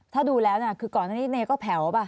ถ้าดูแล้วเนี่ยคือก่อนในนี้เนก็แผลวป่ะ